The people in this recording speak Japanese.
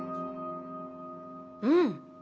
うん！